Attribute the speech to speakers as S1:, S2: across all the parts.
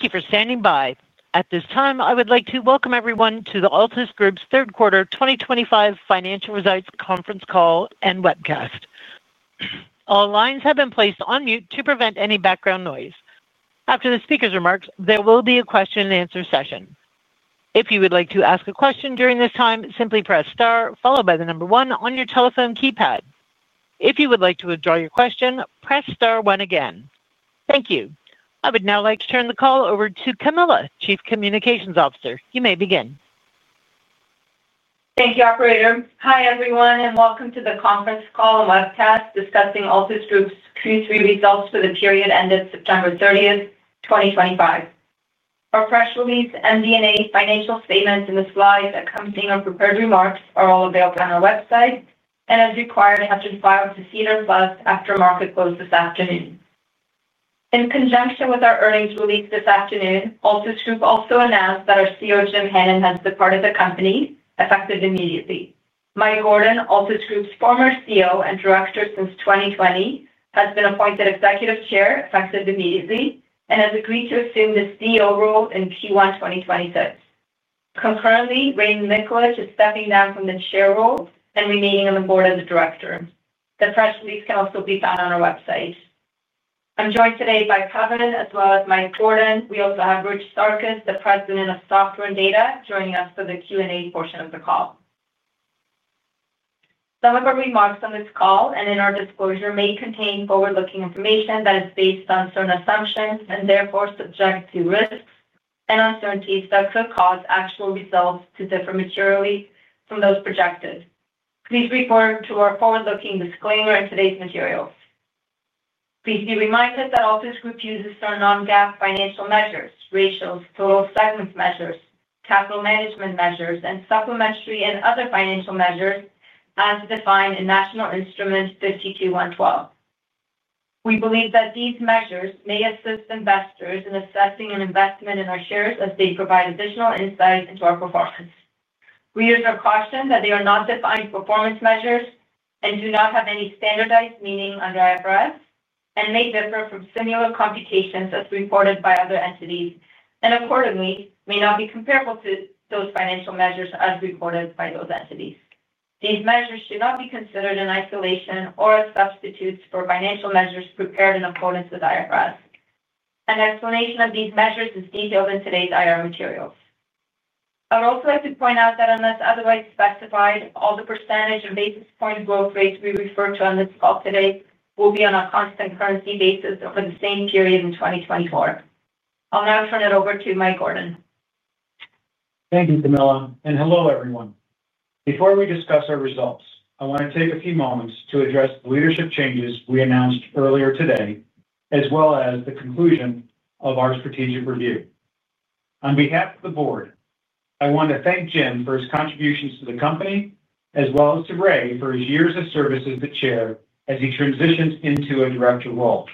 S1: Thank you for standing by. At this time, I would like to welcome everyone to the Altus Group's Third Quarter 2025 Financial Results Conference Call and Webcast. All lines have been placed on mute to prevent any background noise. After the speaker's remarks, there will be a Q&A session. If you would like to ask a question during this time, simply press star followed by the number one on your telephone keypad. If you would like to withdraw your question, press star one again. Thank you. I would now like to turn the call over to Camilla, Chief Communications Officer. You may begin.
S2: Thank you, Operator. Hi everyone, and welcome to the conference call and webcast discussing Altus Group's Q3 results for the period ended September 30th, 2025. Our press release, MD&A financial statements, and the slides accompanying our prepared remarks are all available on our website, and as required, have been filed to SEDAR+ after market close this afternoon. In conjunction with our earnings release this afternoon, Altus Group also announced that our CEO, Jim Hannon, has departed the company effective immediately. Mike Gordon, Altus Group's former CEO and director since 2020, has been appointed Executive Chair effective immediately and has agreed to assume the CEO role in Q1 2026. Concurrently, Rayne Nicholas is stepping down from the chair role and remaining on the board as a director. The press release can also be found on our website. I'm joined today by Pawan as well as Mike Gordon. We also have Rich Sarkis the President of Software and Data, joining us for the Q&A portion of the call. Some of our remarks on this call and in our disclosure may contain forward-looking information that is based on certain assumptions and therefore subject to risks and uncertainties that could cause actual results to differ materially from those projected. Please refer to our forward-looking disclaimer in today's materials. Please be reminded that Altus Group uses certain non-GAAP financial measures, ratios, total segments measures, capital management measures, and supplementary and other financial measures as defined in National Instruments 52-112. We believe that these measures may assist investors in assessing an investment in our shares as they provide additional insight into our performance. We use our caution that they are not defined performance measures and do not have any standardized meaning under IFRS and may differ from similar computations as reported by other entities, and accordingly may not be comparable to those financial measures as reported by those entities. These measures should not be considered in isolation or as substitutes for financial measures prepared in accordance with IFRS. An explanation of these measures is detailed in today's IR materials. I would also like to point out that unless otherwise specified, all the percentage and basis point growth rates we refer to on this call today will be on a constant currency basis over the same period in 2024. I'll now turn it over to Mike Gordon.
S3: Thank you, Camilla. Hello, everyone. Before we discuss our results, I want to take a few moments to address the leadership changes we announced earlier today, as well as the conclusion of our strategic review. On behalf of the board, I want to thank Jim for his contributions to the company, as well as to Ray for his years of service as the Chair as he transitioned into a director role.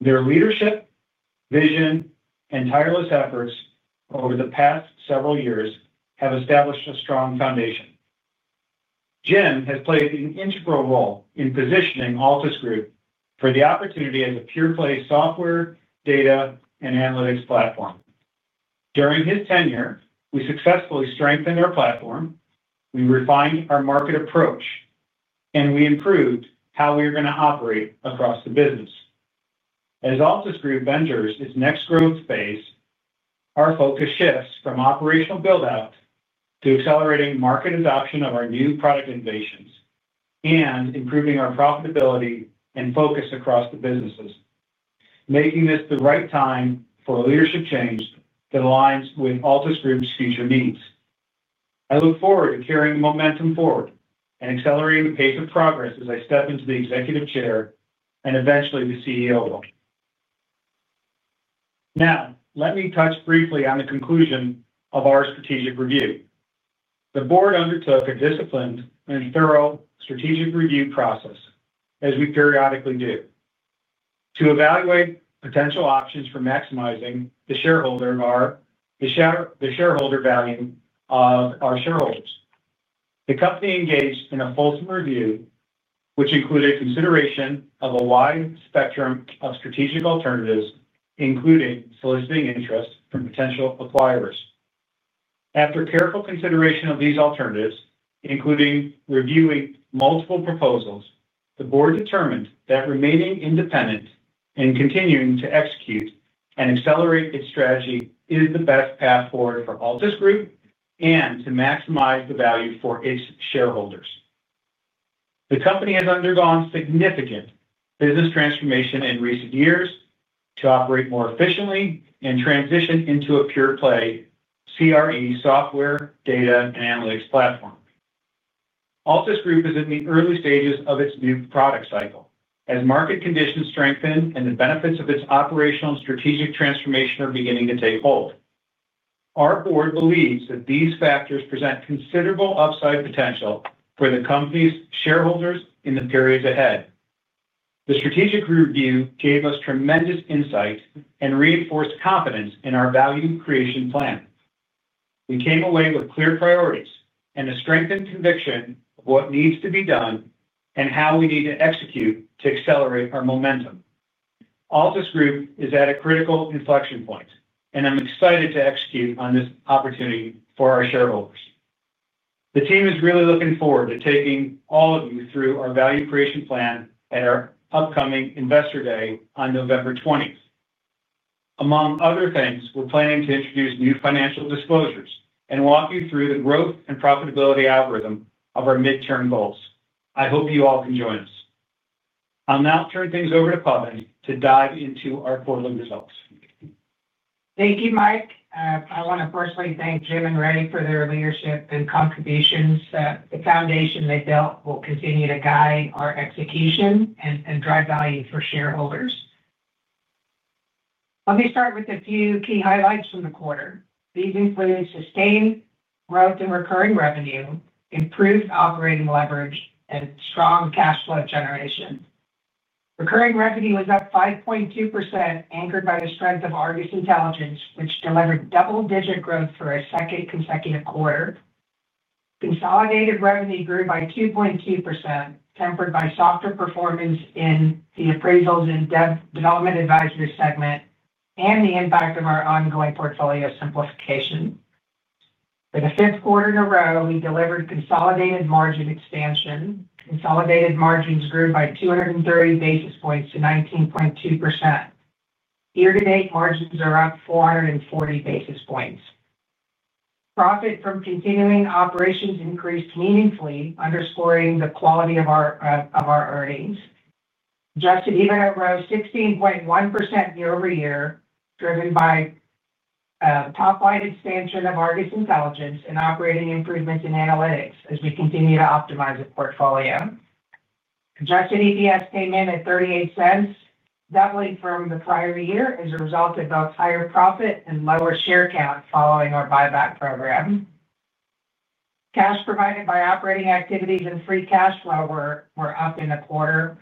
S3: Their leadership, vision, and tireless efforts over the past several years have established a strong foundation. Jim has played an integral role in positioning Altus Group for the opportunity as a pure-play Software, Data, and Analytics Platform. During his tenure, we successfully strengthened our platform, we refined our market approach. We improved how we are going to operate across the business. As Altus Group ventures its next growth phase, our focus shifts from operational build-out to accelerating market adoption of our new product innovations and improving our profitability and focus across the businesses, making this the right time for a leadership change that aligns with Altus Group's future needs. I look forward to carrying the momentum forward and accelerating the pace of progress as I step into the Executive Chair and eventually the CEO role. Now, let me touch briefly on the conclusion of our strategic review. The board undertook a disciplined and thorough strategic review process, as we periodically do, to evaluate potential options for maximizing the shareholder value of our shareholders. The company engaged in a fulsome review, which included consideration of a wide spectrum of strategic alternatives, including soliciting interest from potential acquirers. After careful consideration of these alternatives, including reviewing multiple proposals, the board determined that remaining independent and continuing to execute and accelerate its strategy is the best path forward for Altus Group and to maximize the value for its shareholders. The company has undergone significant business transformation in recent years to operate more efficiently and transition into a pure-play CRE, Software, Data, and Analytics platform. Altus Group is in the early stages of its new product cycle as market conditions strengthen and the benefits of its operational and strategic transformation are beginning to take hold. Our board believes that these factors present considerable upside potential for the company's shareholders in the periods ahead. The strategic review gave us tremendous insight and reinforced confidence in our value creation plan. We came away with clear priorities and a strengthened conviction of what needs to be done and how we need to execute to accelerate our momentum. Altus Group is at a critical inflection point, and I'm excited to execute on this opportunity for our shareholders. The team is really looking forward to taking all of you through our value creation plan at our upcoming Investor Day on November 20th. Among other things, we're planning to introduce new financial disclosures and walk you through the growth and profitability algorithm of our midterm goals. I hope you all can join us. I'll now turn things over to Pawan to dive into our quarterly results.
S1: Thank you, Mike. I want to firstly thank Jim and Ray for their leadership and contributions. The foundation they built will continue to guide our execution and drive value for shareholders. Let me start with a few key highlights from the quarter. These include sustained growth in recurring revenue, improved operating leverage, and strong cash flow generation. Recurring revenue was up 5.2%, anchored by the strength of ARGUS Intelligence, which delivered double-digit growth for a second consecutive quarter. Consolidated revenue grew by 2.2%, tempered by softer performance in the Appraisals and Development Advisory segment and the impact of our ongoing portfolio simplification. For the fifth quarter in a row, we delivered consolidated margin expansion. Consolidated margins grew by 230 basis points to 19.2%. Year-to-date margins are up 440 basis points. Profit from continuing operations increased meaningfully, underscoring the quality of our earnings. Adjusted EBITDA rose 16.1% year-over-year, driven by. Top-line expansion of ARGUS Intelligence and operating improvements in analytics as we continue to optimize the portfolio. Adjusted EPS came in at 0.38, doubling from the prior year as a result of both higher profit and lower share count following our buyback program. Cash provided by operating activities and free cash flow were up in the quarter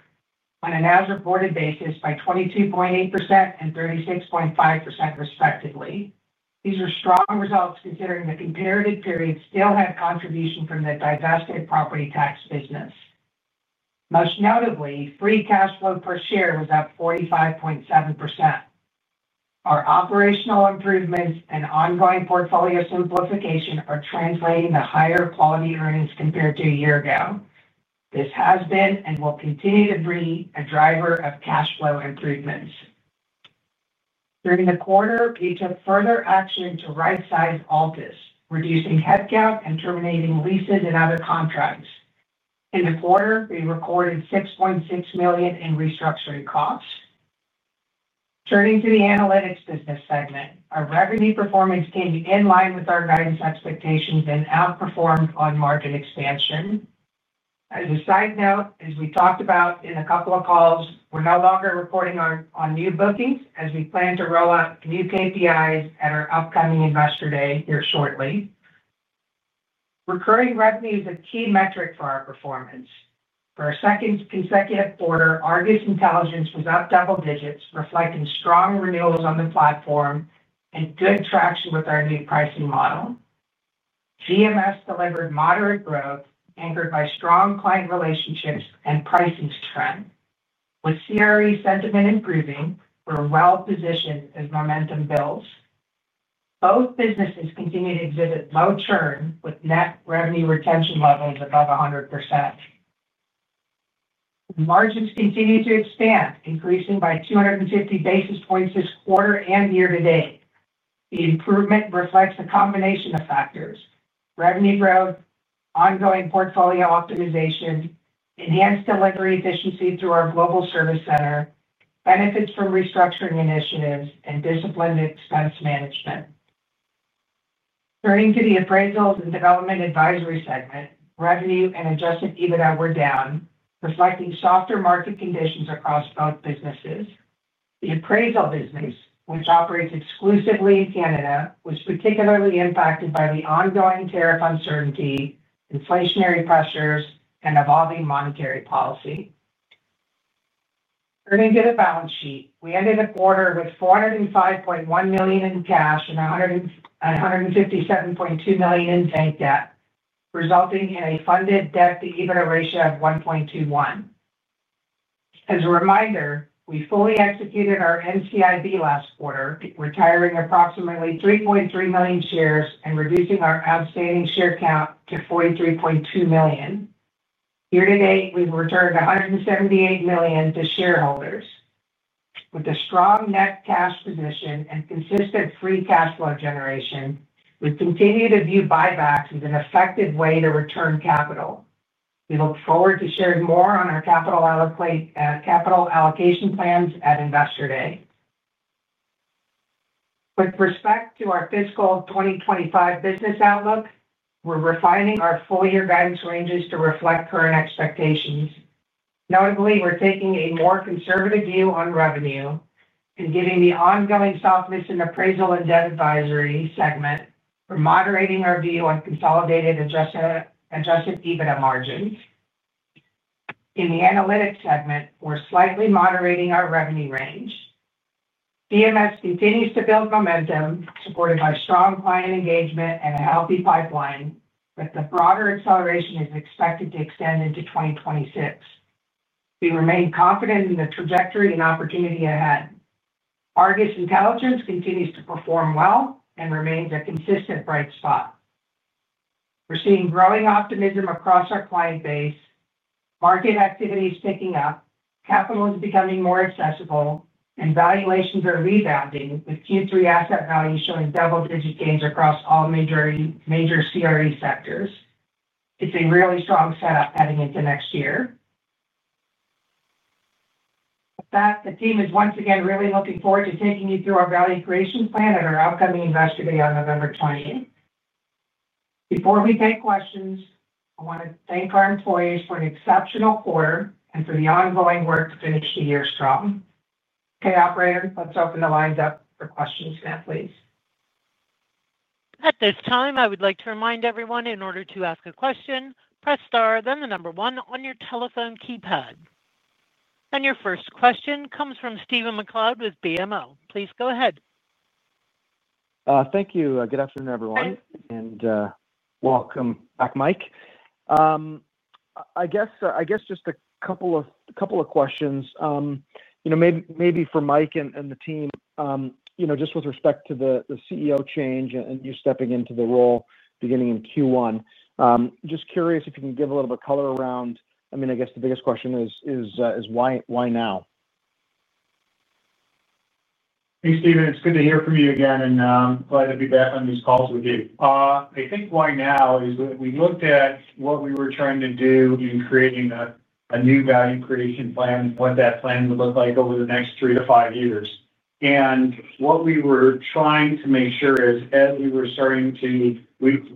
S1: on an as-reported basis by 22.8% and 36.5%, respectively. These are strong results considering the comparative period still had contribution from the divested property tax business. Most notably, free cash flow per share was up 45.7%. Our operational improvements and ongoing portfolio simplification are translating to higher quality earnings compared to a year ago. This has been and will continue to be a driver of cash flow improvements. During the quarter, we took further action to right-size Altus, reducing headcount and terminating leases and other contracts. In the quarter, we recorded 6.6 million in restructuring costs. Turning to the analytics business segment, our revenue performance came in line with our guidance expectations and outperformed on margin expansion. As a side note, as we talked about in a couple of calls, we're no longer reporting on new bookings as we plan to roll out new KPIs at our upcoming Investor Day here shortly. Recurring revenue is a key metric for our performance. For our second consecutive quarter, ARGUS Intelligence was up double digits, reflecting strong renewals on the platform and good traction with our new pricing model. GMS delivered moderate growth, anchored by strong client relationships and pricing trend. With CRE sentiment improving, we're well-positioned as momentum builds. Both businesses continue to exhibit low churn with net revenue retention levels above 100%. Margins continue to expand, increasing by 250 basis points this quarter and year-to-date. The improvement reflects a combination of factors: revenue growth, ongoing portfolio optimization, enhanced delivery efficiency through our global service center, benefits from restructuring initiatives, and disciplined expense management. Turning to the Appraisals and Development Advisory segment, revenue and adjusted EBITDA were down, reflecting softer market conditions across both businesses. The appraisal business, which operates exclusively in Canada, was particularly impacted by the ongoing tariff uncertainty, inflationary pressures, and evolving monetary policy. Turning to the balance sheet, we ended the quarter with 405.1 million in cash and 157.2 million in bank debt, resulting in a funded debt-to-EBITDA ratio of 1.21. As a reminder, we fully executed our NCIB last quarter, retiring approximately 3.3 million shares and reducing our outstanding share count to 43.2 million. Year-to-date, we've returned 178 million to shareholders. With a strong net cash position and consistent free cash flow generation, we continue to view buybacks as an effective way to return capital. We look forward to sharing more on our capital allocation plans at Investor Day. With respect to our fiscal 2025 business outlook, we're refining our full-year guidance ranges to reflect current expectations. Notably, we're taking a more conservative view on revenue and, given the ongoing softness in appraisal and debt advisory segment, we're moderating our view on consolidated adjusted EBITDA margins. In the analytics segment, we're slightly moderating our revenue range. GMS continues to build momentum, supported by strong client engagement and a healthy pipeline, but the broader acceleration is expected to extend into 2026. We remain confident in the trajectory and opportunity ahead. ARGUS Intelligence continues to perform well and remains a consistent bright spot. We're seeing growing optimism across our client base, market activity is picking up, capital is becoming more accessible, and valuations are rebounding, with Q3 asset values showing double-digit gains across all major CRE sectors. It's a really strong setup heading into next year. With that, the team is once again really looking forward to taking you through our value creation plan at our upcoming Investor Day on November 20th. Before we take questions, I want to thank our employees for an exceptional quarter and for the ongoing work to finish the year strong. Okay, operator, let's open the lines up for questions now, please.
S4: At this time, I would like to remind everyone, in order to ask a question, press star, then the number one on your telephone keypad. Your first question comes from Stephen McLeod with BMO. Please go ahead.
S5: Thank you. Good afternoon, everyone.
S4: Hi.
S5: Welcome back, Mike. I guess just a couple of questions. Maybe for Mike and the team, just with respect to the CEO change and you stepping into the role beginning in Q1. Just curious if you can give a little bit of color around, I mean, I guess the biggest question is, why now?
S3: Hey, Stephen. It's good to hear from you again, and I'm glad to be back on these calls with you. I think why now is that we looked at what we were trying to do in creating a new value creation plan, what that plan would look like over the next three to five years. What we were trying to make sure is, as we were starting to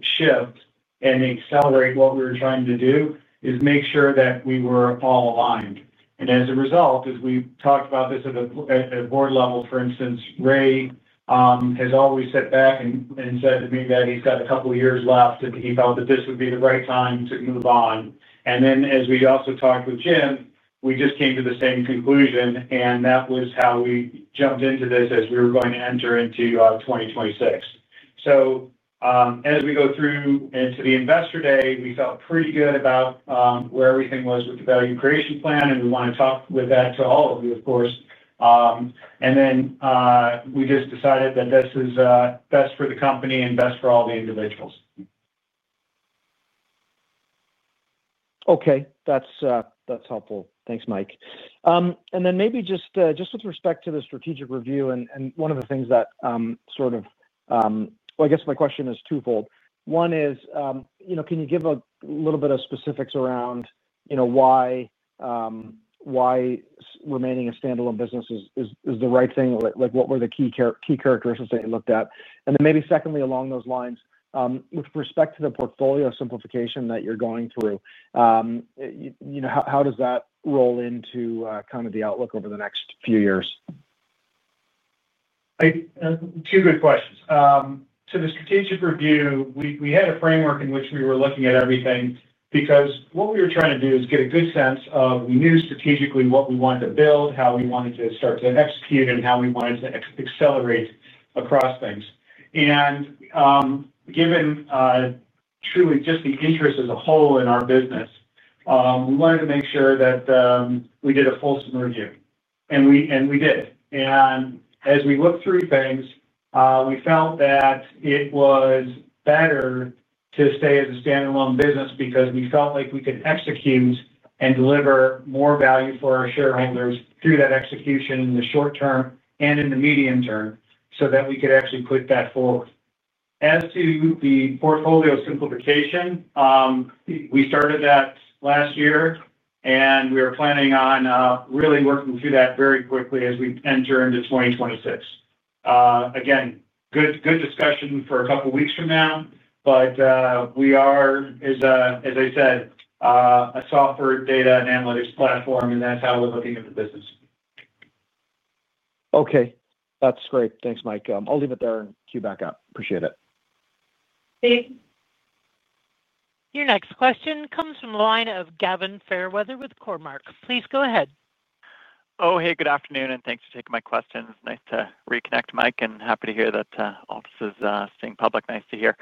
S3: shift and accelerate what we were trying to do, is make sure that we were all aligned. As a result, as we talked about this at the board level, for instance, Ray has always sat back and said to me that he's got a couple of years left and he felt that this would be the right time to move on. As we also talked with Jim, we just came to the same conclusion, and that was how we jumped into this as we were going to enter into 2026. As we go through into the Investor Day, we felt pretty good about where everything was with the value creation plan, and we want to talk with that to all of you, of course. We just decided that this is best for the company and best for all the individuals.
S5: Okay. That's helpful. Thanks, Mike. Maybe just with respect to the strategic review and one of the things that sort of—I guess my question is twofold. One is, can you give a little bit of specifics around why remaining a standalone business is the right thing? What were the key characteristics that you looked at? Maybe secondly, along those lines, with respect to the portfolio simplification that you're going through, how does that roll into kind of the outlook over the next few years?
S3: Two good questions. To the strategic review, we had a framework in which we were looking at everything because what we were trying to do is get a good sense of we knew strategically what we wanted to build, how we wanted to start to execute, and how we wanted to accelerate across things. Given truly just the interest as a whole in our business, we wanted to make sure that we did a full review. We did. As we looked through things, we felt that it was better to stay as a standalone business because we felt like we could execute and deliver more value for our shareholders through that execution in the short term and in the medium term so that we could actually put that forward. As to the portfolio simplification. We started that last year, and we were planning on really working through that very quickly as we enter into 2026. Again, good discussion for a couple of weeks from now, but we are, as I said, a software data and analytics platform, and that's how we're looking at the business.
S5: Okay. That's great. Thanks, Mike. I'll leave it there and cue back up. Appreciate it.
S1: Thanks.
S4: Your next question comes from the line of Gavin Fairweather with Cormark. Please go ahead.
S6: Oh, hey, good afternoon, and thanks for taking my questions. Nice to reconnect, Mike, and happy to hear that Altus is staying public. Nice to hear.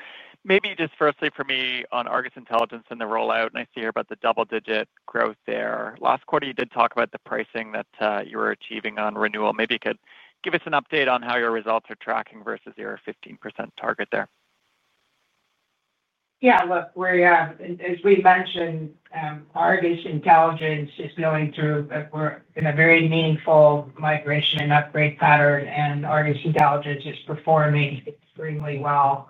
S6: Maybe just firstly for me on ARGUS Intelligence and the rollout, nice to hear about the double-digit growth there. Last quarter, you did talk about the pricing that you were achieving on renewal. Maybe you could give us an update on how your results are tracking versus your 15% target there.
S1: Yeah. Look, as we mentioned. ARGUS Intelligence is going through a very meaningful migration and upgrade pattern, and ARGUS Intelligence is performing extremely well.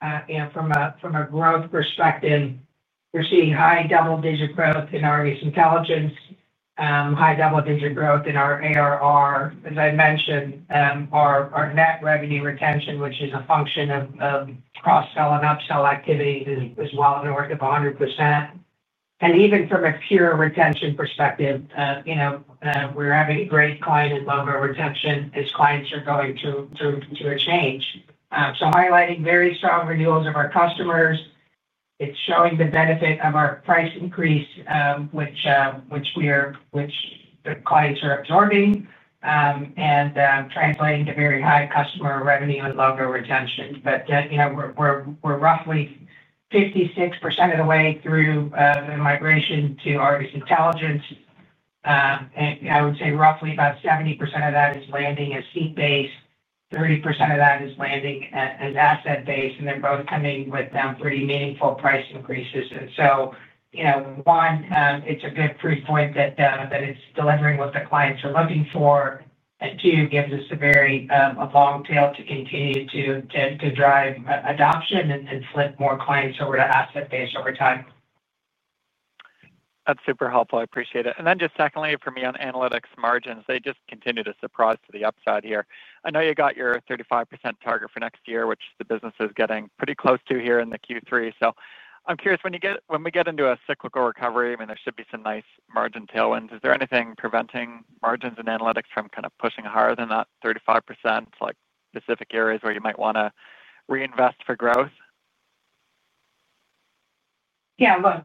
S1: From a growth perspective, we're seeing high double-digit growth in ARGUS Intelligence. High double-digit growth in our ARR. As I mentioned, our net revenue retention, which is a function of cross-sell and upsell activities, is well north of 100%. Even from a pure retention perspective, we're having great client and lower retention as clients are going through a change. Highlighting very strong renewals of our customers. It's showing the benefit of our price increase, which the clients are absorbing and translating to very high customer revenue and lower retention. We're roughly 56% of the way through the migration to ARGUS Intelligence. I would say roughly about 70% of that is landing as seat-based. 30% of that is landing as asset-based, and they are both coming with pretty meaningful price increases. One, it is a good proof point that it is delivering what the clients are looking for. Two, gives us a very long tail to continue to drive adoption and flip more clients over to asset-based over time.
S6: That's super helpful. I appreciate it. Just secondly, for me on analytics margins, they just continue to surprise to the upside here. I know you got your 35% target for next year, which the business is getting pretty close to here in the Q3. I am curious, when we get into a cyclical recovery, I mean, there should be some nice margin tailwinds. Is there anything preventing margins in analytics from kind of pushing higher than that 35%, like specific areas where you might want to reinvest for growth?
S1: Yeah. Look.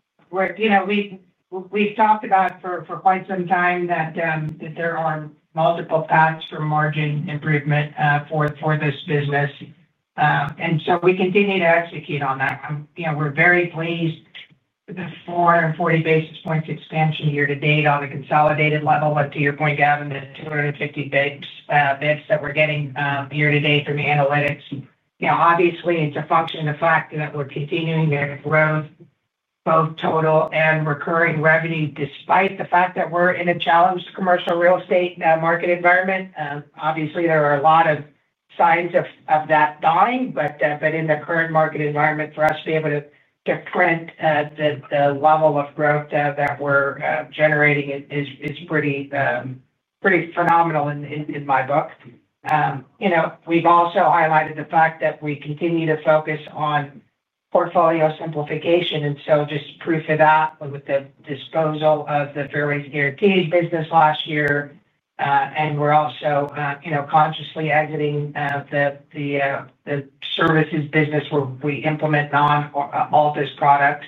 S1: We've talked about for quite some time that there are multiple paths for margin improvement for this business. And so we continue to execute on that. We're very pleased with a 440 basis points expansion year to date on a consolidated level. To your point, Gavin, the 250 basis points that we're getting year to date from the analytics. Obviously, it's a function of the fact that we're continuing to grow both total and recurring revenue despite the fact that we're in a challenged commercial real estate market environment. Obviously, there are a lot of signs of that dying, but in the current market environment, for us to be able to print the level of growth that we're generating is pretty phenomenal in my book. We've also highlighted the fact that we continue to focus on portfolio simplification. Just proof of that with the disposal of the fair rates guarantees business last year. We are also consciously exiting the services business where we implement non-Altus products,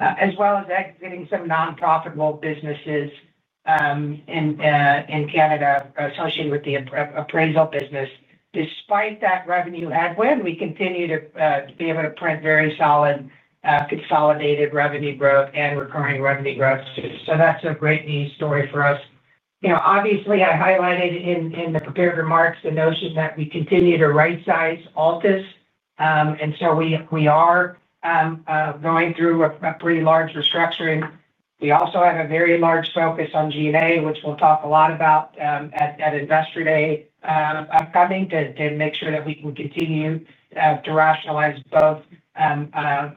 S1: as well as exiting some nonprofitable businesses in Canada associated with the appraisal business. Despite that revenue headwind, we continue to be able to print very solid consolidated revenue growth and recurring revenue growth. That is a great news story for us. Obviously, I highlighted in the prepared remarks the notion that we continue to right-size Altus. We are going through a pretty large restructuring. We also have a very large focus on G&A, which we will talk a lot about at Investor Day upcoming to make sure that we can continue to rationalize both our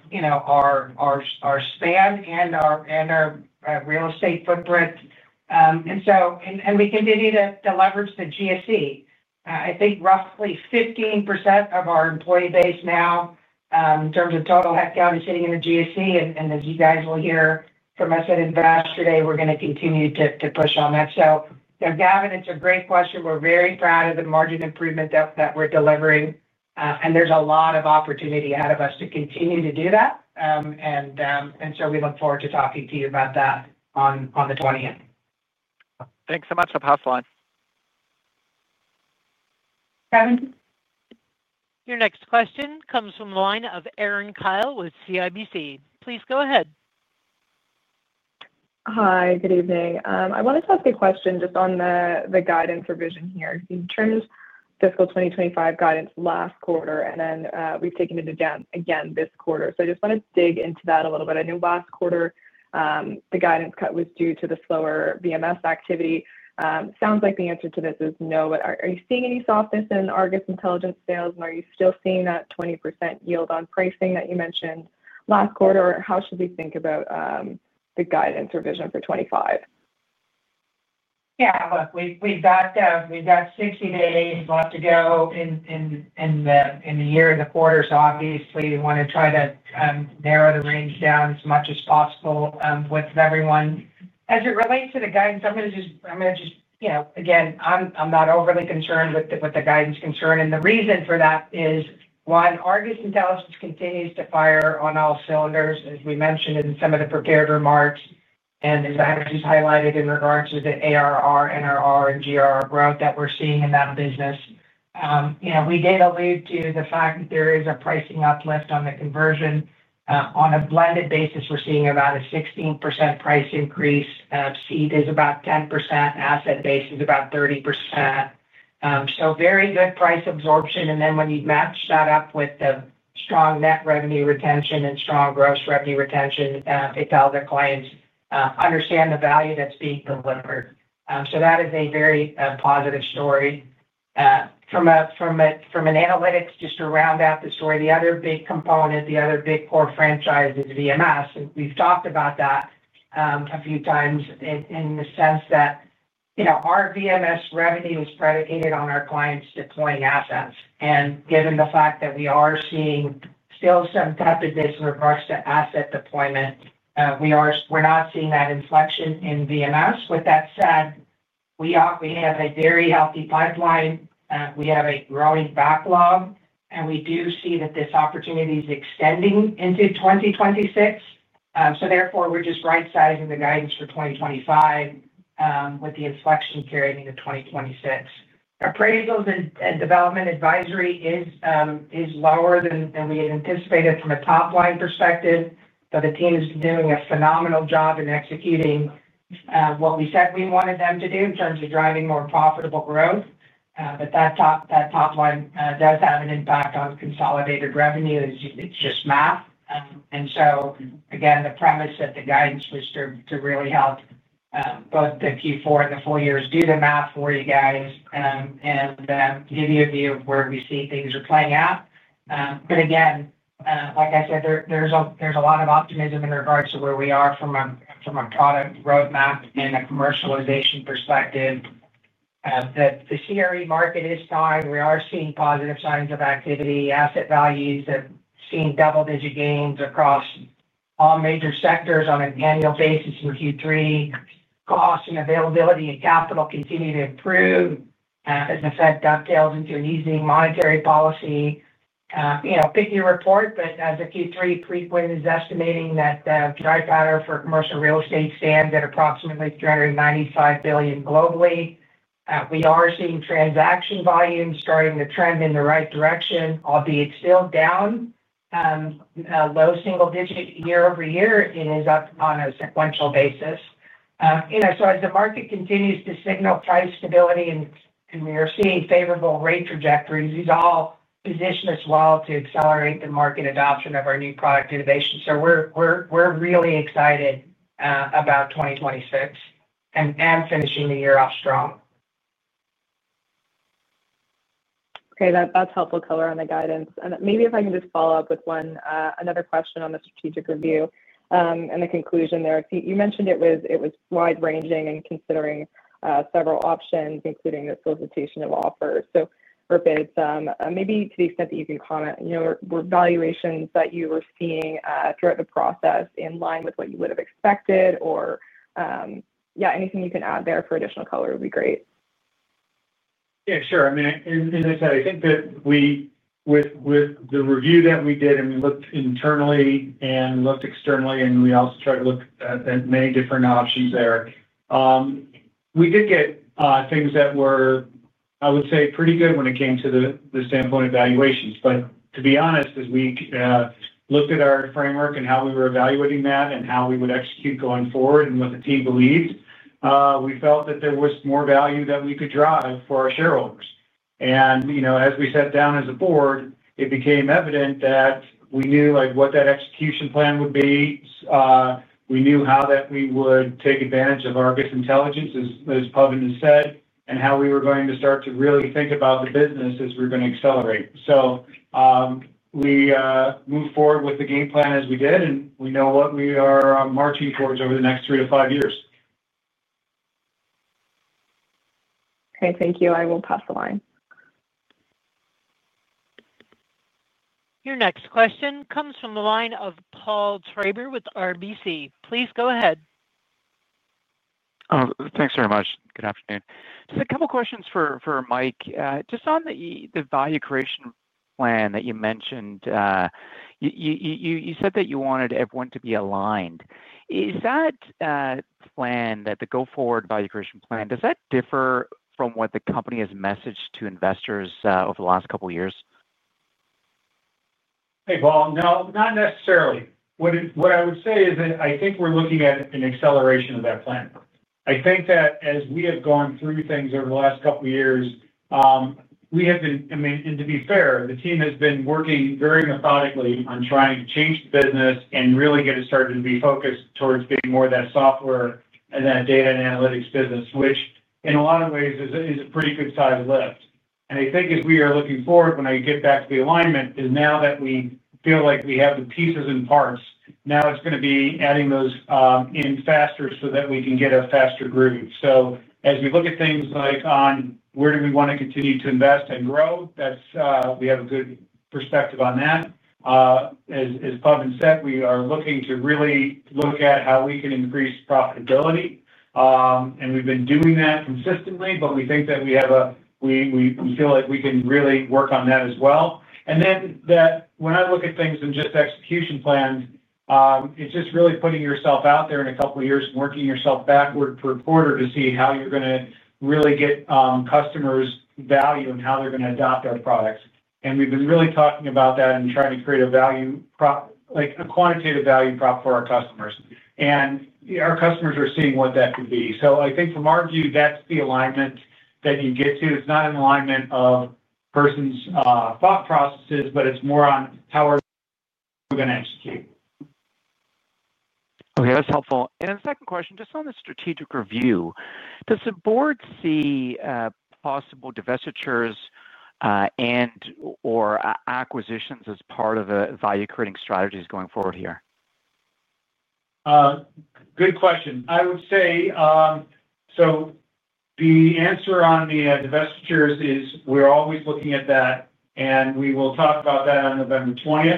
S1: span and our real estate footprint. We continue to leverage the GSE. I think roughly 15% of our employee base now. In terms of total headcount, is sitting in the GSE. As you guys will hear from us at Investor Day, we're going to continue to push on that. Gavin, it's a great question. We're very proud of the margin improvement that we're delivering. There's a lot of opportunity ahead of us to continue to do that. We look forward to talking to you about that on the 20th.
S6: Thanks so much. I'll pass the line.
S1: Gavin.
S4: Your next question comes from the line of Erin Kyle with CIBC. Please go ahead.
S7: Hi. Good evening. I wanted to ask a question just on the guidance revision here. You turned fiscal 2025 guidance last quarter, and then we've taken it again this quarter. I just want to dig into that a little bit. I know last quarter, the guidance cut was due to the slower BMS activity. Sounds like the answer to this is no, but are you seeing any softness in ARGUS Intelligence sales? And are you still seeing that 20% yield on pricing that you mentioned last quarter? Or how should we think about the guidance revision for 2025?
S1: Yeah. Look, we've got 60 days left to go in the year and the quarter. Obviously, we want to try to narrow the range down as much as possible with everyone. As it relates to the guidance, I'm going to just, again, I'm not overly concerned with the guidance concern. The reason for that is, one, ARGUS Intelligence continues to fire on all cylinders, as we mentioned in some of the prepared remarks. As I just highlighted in regards to the ARR, NRR, and GRR growth that we're seeing in that business. We did allude to the fact that there is a pricing uplift on the conversion. On a blended basis, we're seeing about a 16% price increase. Seed is about 10%. Asset-based is about 30%. Very good price absorption. When you match that up with the strong net revenue retention and strong gross revenue retention, it tells the clients understand the value that's being delivered. That is a very positive story. From an analytics, just to round out the story, the other big component, the other big core franchise is VMS. We've talked about that a few times in the sense that our VMS revenue is predicated on our clients deploying assets. Given the fact that we are seeing still some tepidness in regards to asset deployment, we're not seeing that inflection in VMS. With that said, we have a very healthy pipeline. We have a growing backlog. We do see that this opportunity is extending into 2026. Therefore, we're just right-sizing the guidance for 2025, with the inflection carrying into 2026. Appraisals and development advisory is. Lower than we had anticipated from a top-line perspective. The team has been doing a phenomenal job in executing what we said we wanted them to do in terms of driving more profitable growth. That top-line does have an impact on consolidated revenue. It is just math. Again, the premise that the guidance was to really help both the Q4 and the full years do the math for you guys and give you a view of where we see things are playing out. Again, like I said, there is a lot of optimism in regards to where we are from a product roadmap and a commercialization perspective. The CRE market is high. We are seeing positive signs of activity. Asset values have seen double-digit gains across all major sectors on an annual basis in Q3. Cost and availability and capital continue to improve. As I said, dovetails into an easing monetary policy. Picky report, but as a Q3. Frequent is estimating that the dry powder for commercial real estate stands at approximately 395 billion globally. We are seeing transaction volumes starting to trend in the right direction, albeit still down. Low single digit year over year. It is up on a sequential basis. As the market continues to signal price stability and we are seeing favorable rate trajectories, these all position us well to accelerate the market adoption of our new product innovation. We are really excited about 2026 and finishing the year off strong.
S7: Okay. That's helpful color on the guidance. Maybe if I can just follow up with another question on the strategic review and the conclusion there. You mentioned it was wide-ranging and considering several options, including the solicitation of offers. Maybe to the extent that you can comment, were valuations that you were seeing throughout the process in line with what you would have expected? Or, yeah, anything you can add there for additional color would be great.
S3: Yeah, sure. I mean, as I said, I think that with the review that we did, and we looked internally and looked externally, and we also tried to look at many different options there. We did get things that were, I would say, pretty good when it came to the standpoint of valuations. To be honest, as we looked at our framework and how we were evaluating that and how we would execute going forward and what the team believed, we felt that there was more value that we could drive for our shareholders. As we sat down as a board, it became evident that we knew what that execution plan would be. We knew how we would take advantage of ARGUS Intelligence, as Pawan has said, and how we were going to start to really think about the business as we're going to accelerate. We moved forward with the game plan as we did, and we know what we are marching towards over the next three to five years.
S7: Okay. Thank you. I will pass the line.
S4: Your next question comes from the line of Paul Traber with RBC. Please go ahead.
S8: Thanks very much. Good afternoon. Just a couple of questions for Mike. Just on the value creation plan that you mentioned. You said that you wanted everyone to be aligned. Is that plan, that the Go-Forward Value Creation Plan, does that differ from what the company has messaged to investors over the last couple of years?
S3: Hey, Paul. No, not necessarily. What I would say is that I think we're looking at an acceleration of that plan. I think that as we have gone through things over the last couple of years, we have been, I mean, and to be fair, the team has been working very methodically on trying to change the business and really get it started to be focused towards being more of that software and that data and analytics business, which in a lot of ways is a pretty good size lift. I think as we are looking forward, when I get back to the alignment, is now that we feel like we have the pieces and parts, now it's going to be adding those in faster so that we can get a faster groove. As we look at things like on where do we want to continue to invest and grow, we have a good perspective on that. As Pawan said, we are looking to really look at how we can increase profitability. We have been doing that consistently, but we think that we have a. We feel like we can really work on that as well. When I look at things in just execution plans, it is just really putting yourself out there in a couple of years and working yourself backward per quarter to see how you are going to really get customers' value and how they are going to adopt our products. We have been really talking about that and trying to create a. Quantitative Value Prop for our customers. Our customers are seeing what that could be. I think from our view, that's the alignment that you get to. It's not an alignment of person's thought processes, but it's more on how we're going to execute.
S8: Okay. That's helpful. Second question, just on the strategic review, does the board see possible divestitures and/or acquisitions as part of the value-creating strategies going forward here?
S3: Good question. I would say the answer on the divestitures is we're always looking at that. We will talk about that on November 20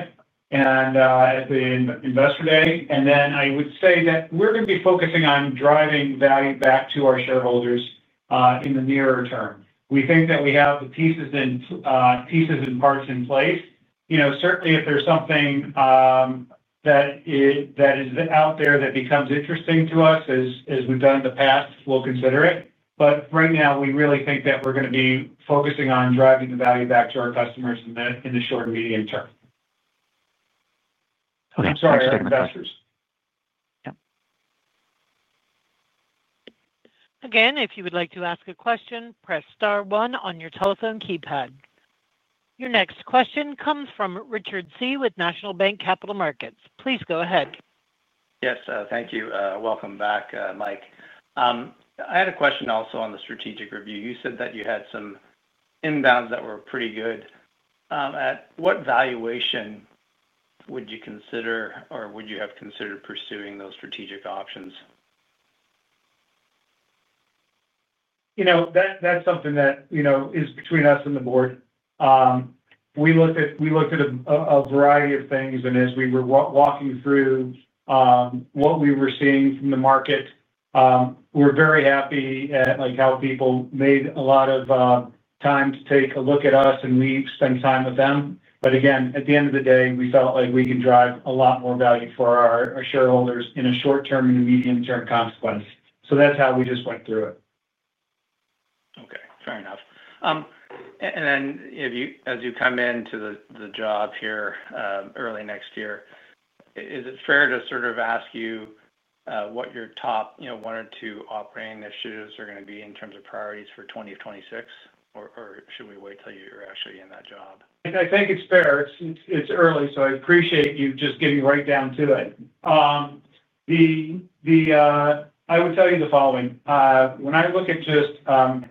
S3: and at the Investor Day. I would say that we're going to be focusing on driving value back to our shareholders in the nearer term. We think that we have the pieces and parts in place. Certainly, if there's something that is out there that becomes interesting to us, as we've done in the past, we'll consider it. Right now, we really think that we're going to be focusing on driving the value back to our customers in the short and medium term.
S8: Okay.
S3: I'm sorry, investors.
S8: Yeah.
S4: Again, if you would like to ask a question, press star one on your telephone keypad. Your next question comes from Richard Tse with National Bank Capital Markets. Please go ahead.
S9: Yes. Thank you. Welcome back, Mike. I had a question also on the strategic review. You said that you had some inbounds that were pretty good. At what valuation would you consider or would you have considered pursuing those strategic options?
S3: That's something that is between us and the board. We looked at a variety of things. As we were walking through what we were seeing from the market, we're very happy at how people made a lot of time to take a look at us, and we spent time with them. At the end of the day, we felt like we could drive a lot more value for our shareholders in a short-term and a medium-term consequence. That's how we just went through it.
S9: Okay. Fair enough. As you come into the job here early next year, is it fair to sort of ask you what your top one or two operating initiatives are going to be in terms of priorities for 2026? Or should we wait till you're actually in that job?
S3: I think it's fair. It's early, so I appreciate you just getting right down to it. I would tell you the following. When I look at just our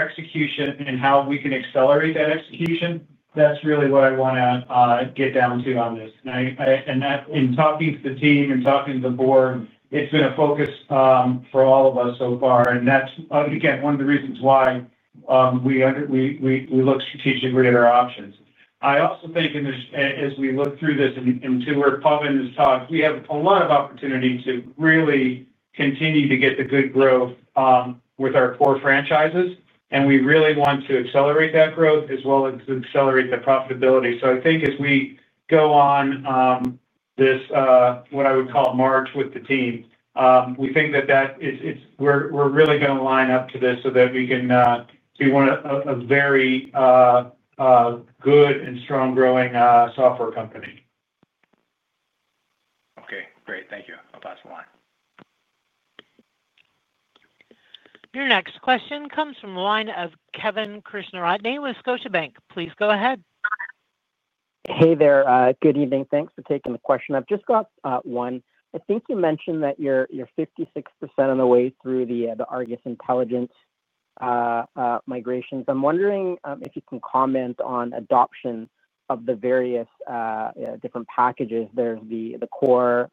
S3: execution and how we can accelerate that execution, that's really what I want to get down to on this. In talking to the team and talking to the board, it's been a focus for all of us so far. That's, again, one of the reasons why we look strategically at our options. I also think as we look through this and to where Pawan has talked, we have a lot of opportunity to really continue to get the good growth with our core franchises. We really want to accelerate that growth as well as accelerate the profitability. I think as we go on this, what I would call, march with the team, we think that. We're really going to line up to this so that we can be a very good and strong-growing software company.
S9: Okay. Great. Thank you. I'll pass the line.
S4: Your next question comes from the line of Kevin Krishnaratne with Scotiabank. Please go ahead.
S10: Hey there. Good evening. Thanks for taking the question. I've just got one. I think you mentioned that you're 56% on the way through the ARGUS Intelligence migrations. I'm wondering if you can comment on adoption of the various different packages. There's the core,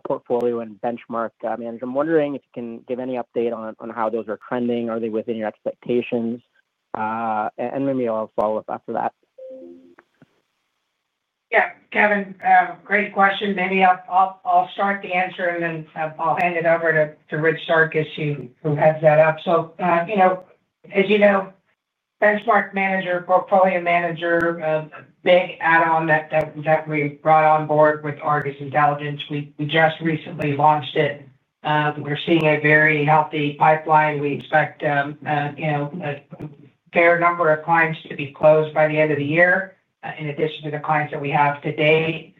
S10: Portfolio, and Benchmark Manager. I'm wondering if you can give any update on how those are trending. Are they within your expectations? And maybe I'll follow up after that.
S1: Yeah. Kevin, great question. Maybe I'll start the answer, and then I'll hand it over to Rich Sarkis who heads that up. As you know, Benchmark Manager, Portfolio Manager, a big add-on that we brought on board with ARGUS Intelligence. We just recently launched it. We're seeing a very healthy pipeline. We expect a fair number of clients to be closed by the end of the year in addition to the clients that we have today.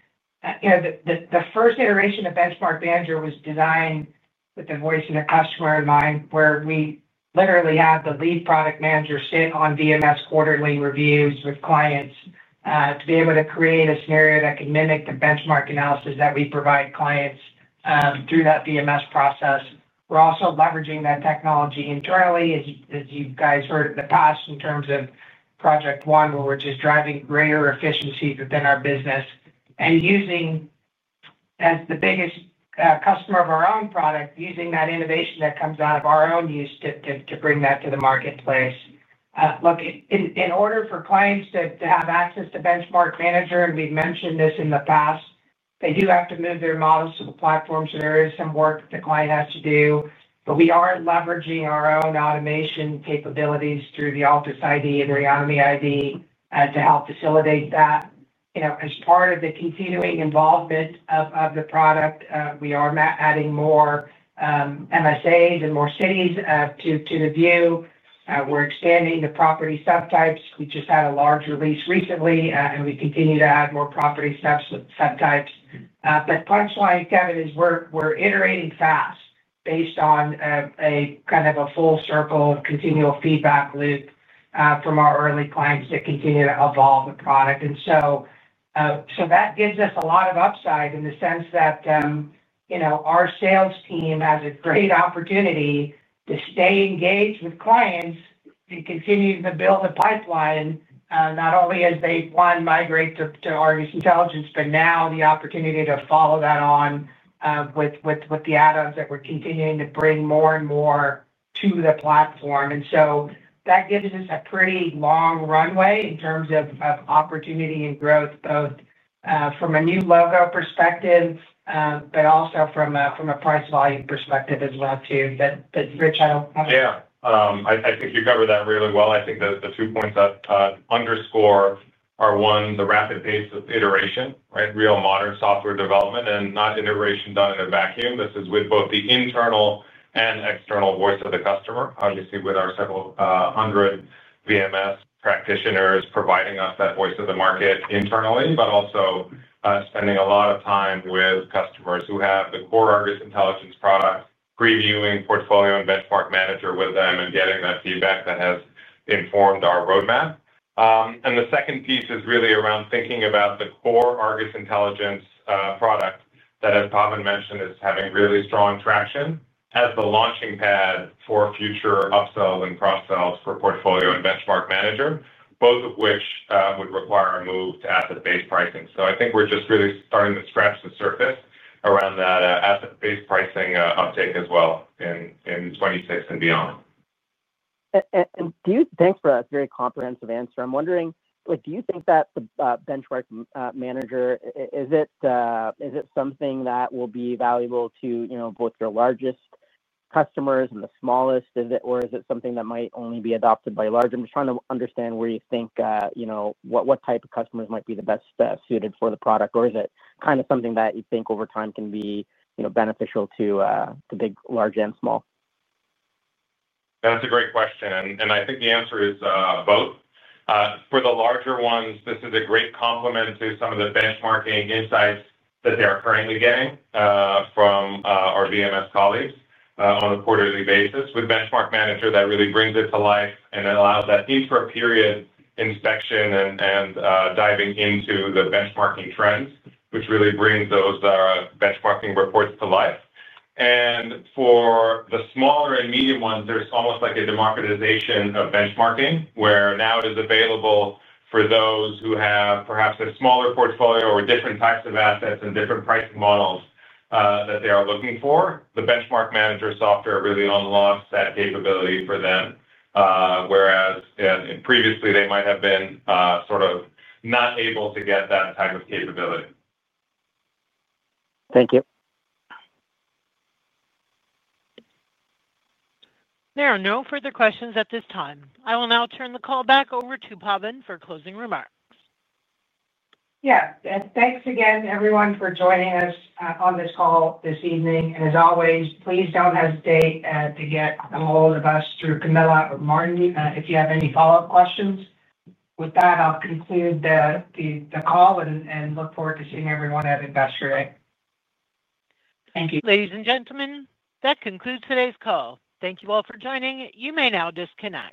S1: The first iteration of Benchmark Manager was designed with the voice of the customer in mind, where we literally have the lead product manager sit on VMS quarterly reviews with clients to be able to create a scenario that can mimic the benchmark analysis that we provide clients through that VMS process. We're also leveraging that technology internally, as you guys heard in the past, in terms of project one, where we're just driving greater efficiency within our business. As the biggest customer of our own product, using that innovation that comes out of our own use to bring that to the marketplace. Look, in order for clients to have access to Benchmark Manager, and we've mentioned this in the past, they do have to move their models to the platform. There is some work the client has to do. We are leveraging our own automation capabilities through the Altus ID and Reonemi ID to help facilitate that. As part of the continuing involvement of the product, we are adding more MSAs and more cities to the view. We're expanding the property subtypes. We just had a large release recently, and we continue to add more property subtypes. Punchline, Kevin, is we're iterating fast based on a kind of a full circle of continual feedback loop from our early clients that continue to evolve the product. That gives us a lot of upside in the sense that our sales team has a great opportunity to stay engaged with clients and continue to build a pipeline, not only as they, one, migrate to ARGUS Intelligence, but now the opportunity to follow that on with the add-ons that we're continuing to bring more and more to the platform. That gives us a pretty long runway in terms of opportunity and growth, both from a new logo perspective but also from a price-value perspective as well, too. Rich, I don't have
S9: yeah. I think you covered that really well. I think the two points I underscore are, one, the rapid pace of iteration, right? Real modern software development and not iteration done in a vacuum. This is with both the internal and external voice of the customer. Obviously, with our several hundred VMS practitioners providing us that voice of the market internally, but also spending a lot of time with customers who have the core ARGUS Intelligence product, previewing Portfolio Manager and Benchmark Manager with them and getting that feedback that has informed our roadmap. The second piece is really around thinking about the core ARGUS Intelligence product that, as Pawan mentioned, is having really strong traction as the launching pad for future upsells and cross-sells for Portfolio Manager and Benchmark Manager, both of which would require a move to asset-based pricing. I think we're just really starting to scratch the surface around that asset-based pricing uptake as well in 2026 and beyond.
S10: Thanks for that very comprehensive answer. I'm wondering, do you think that the Benchmark Manager, is it something that will be valuable to both your largest customers and the smallest, or is it something that might only be adopted by large? I'm just trying to understand where you think. What type of customers might be the best suited for the product? Or is it kind of something that you think over time can be beneficial to big, large, and small?
S1: That's a great question. I think the answer is both. For the larger ones, this is a great complement to some of the benchmarking insights that they are currently getting from our VMS colleagues on a quarterly basis. With Benchmark Manager, that really brings it to life and allows that intra-period inspection and diving into the benchmarking trends, which really brings those benchmarking reports to life. For the smaller and medium ones, there's almost like a democratization of benchmarking where now it is available for those who have perhaps a smaller portfolio or different types of assets and different pricing models that they are looking for. The Benchmark Manager software really unlocks that capability for them, whereas previously, they might have been sort of not able to get that type of capability.
S5: Thank you.
S4: There are no further questions at this time. I will now turn the call back over to Pawan for closing remarks.
S1: Yes. Thank you again, everyone, for joining us on this call this evening. As always, please do not hesitate to get a hold of us through Camilla or Martin if you have any follow-up questions. With that, I will conclude the call and look forward to seeing everyone at Investor Day.
S2: Thank you.
S4: Ladies and gentlemen, that concludes today's call. Thank you all for joining. You may now disconnect.